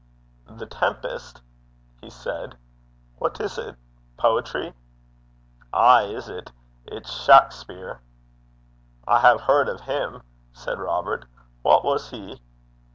'The Tempest?' he said. 'What is 't? Poetry?' 'Ay is 't. It's Shackspear.' 'I hae heard o' him,' said Robert. 'What was he?'